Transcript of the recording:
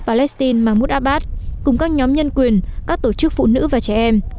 palestine mahmoud abbas cùng các nhóm nhân quyền các tổ chức phụ nữ và trẻ em